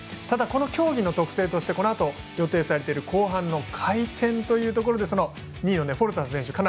ただ、この競技の特性としてこのあと予定されている後半の回転というところで２位のフォルスター選手